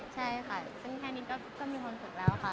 ใช่ค่ะซึ่งแค่นี้ก็มีความสุขแล้วค่ะ